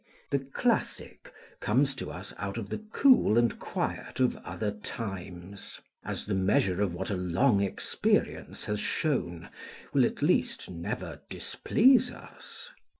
The "classic" comes to us out of the cool and quiet of other times; as the measure of what a long experience has shown will at least never displease us.